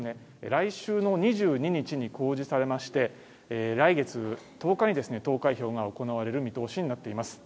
来週の２２日に公示されまして来月１０日にですね投開票が行われる見通しになっています